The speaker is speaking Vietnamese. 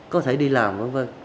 có thể đi làm v v